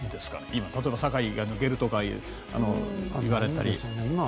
今、酒井が抜けるとか言われたり。